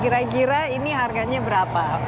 kira kira ini harganya berapa